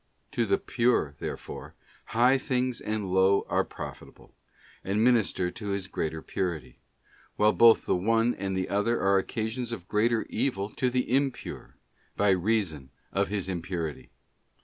To the pure, therefore, high things and low are profitable, and minister to his greater purity; while both the one and the other are occasions of greater evil to the impure, by reason of his impurity.